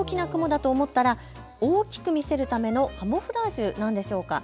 大きなくもだと思ったら大きく見せるためのカモフラージュなんでしょうか。